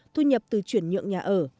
thu nhập từ chuyển nhượng nhà ở